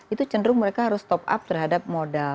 itu cenderung mereka harus top up terhadap modal